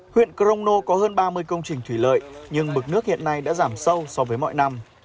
huyện crono có hơn ba mươi công trình thủy lợi nhưng mực nước hiện nay đã giảm sâu so với mọi năm